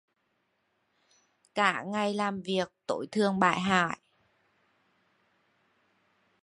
Cả ngày làm việc tối thường bải hoải